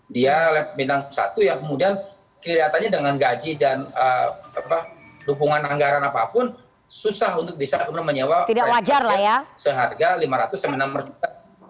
dia minang satu ya kemudian kelihatannya dengan gaji dan lukungan anggaran apapun susah untuk bisa menyebabkan seharga lima ratus sembilan puluh enam juta